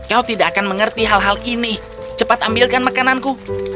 kau tidak akan mengerti hal hal ini cepat ambilkan makananku